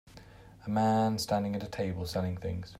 A man standing at a table selling things.